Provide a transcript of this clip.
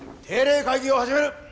定例会議を始める！